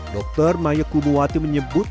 dokter maya kubuwati menyebut